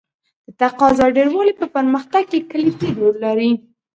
د تقاضا ډېروالی په پرمختګ کې کلیدي رول لري.